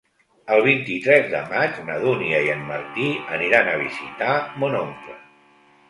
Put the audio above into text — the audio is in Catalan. El vint-i-tres de maig na Dúnia i en Martí aniran a visitar mon oncle.